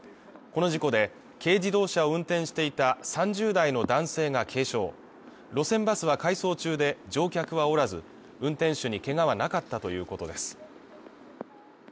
この事故で軽自動車を運転していた３０代の男性が軽傷路線バスは回送中で乗客はおらず運転手にけがはなかったということです